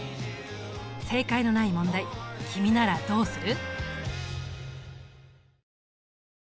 正解のない問題君ならどうする？